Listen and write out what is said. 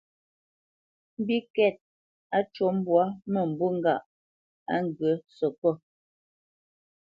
Mbîkɛ́t á cû mbwǎ mə̂mbû ŋgâʼ á ŋgyə̂ səkót.